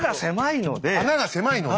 穴が狭いので。